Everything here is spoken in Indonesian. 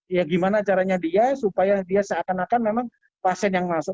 ya gimana caranya dia supaya dia seakan akan memang pasien yang masuk